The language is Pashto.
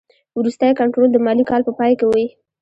وروستی کنټرول د مالي کال په پای کې وي.